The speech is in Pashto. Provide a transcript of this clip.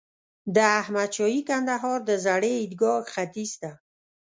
د احمد شاهي کندهار د زړې عیدګاه ختیځ ته.